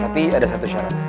tapi ada satu syarat